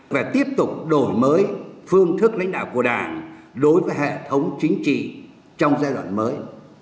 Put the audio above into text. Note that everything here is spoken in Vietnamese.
và tiếp tục đổi mới phương thức lãnh đạo của đảng đối với hệ thống chính trị trong giai đoạn mới